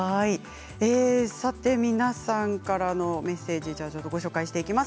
皆さんからのメッセージをご紹介します。